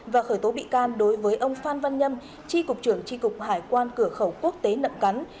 và khởi tố bị can đối với ông phan văn nhâm tri cục trưởng tri cục hải quan cửa khẩu quốc tế nậm cắn